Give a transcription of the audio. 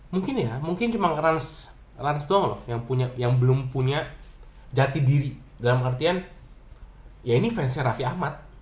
mungkin ya mungkin cuma rans doang yang belum punya jati diri dalam artian ya ini fansnya raffi ahmad